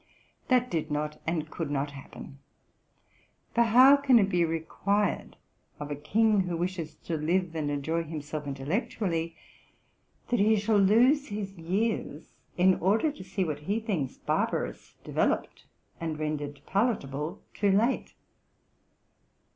Th: at did not and could not happen; for how can it be required of a king, who wishes to live and enjoy himself intellectually, that he shall lose his years in order to see what he thinks barbarous developed and rendered palatable too late?